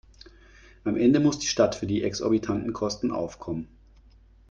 Am Ende muss die Stadt für die exorbitanten Kosten aufkommen.